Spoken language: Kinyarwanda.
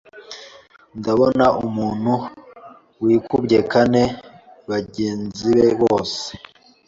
Ndabona Umuntu wikubye kane bagenzibe bose